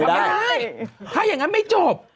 ถ้าอย่างงันไม่จบ